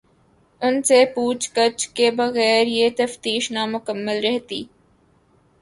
ان سے پوچھ گچھ کے بغیر یہ تفتیش نامکمل رہتی۔